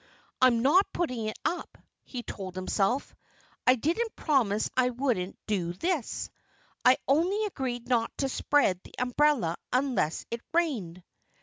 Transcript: "I'm not putting it up," he told himself. "I didn't promise I wouldn't do this. I only agreed not to spread the umbrella unless it rained."